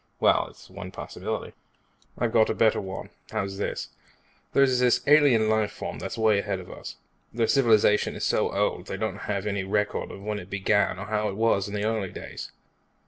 "Well, it's one possibility." "I got a better one. How's this. There's this alien life form that's way ahead of us. Their civilization is so old that they don't have any records of when it began and how it was in the early days.